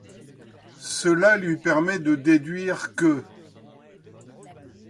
Cela lui permet de déduire qu'.